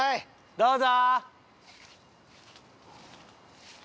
どうぞ。